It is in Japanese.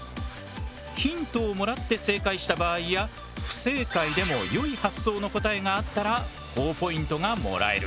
ヒントをもらって正解した場合や不正解でもよい発想の答えがあったらほぉポイントがもらえる。